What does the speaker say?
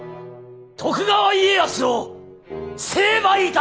徳川家康を成敗いたす！